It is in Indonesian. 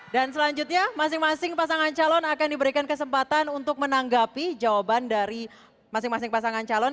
dan selanjutnya masing masing pasangan calon akan diberikan kesempatan untuk menanggapi jawaban dari masing masing pasangan calon